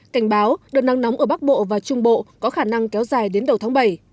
cảnh báo đợt nắng nóng ở bắc bộ và trung bộ có khả năng kéo dài đến đầu tháng bảy